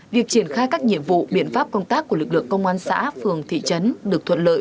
việc triển khai các nhiệm vụ biện pháp công tác của lực lượng công an xã phường thị trấn được thuận lợi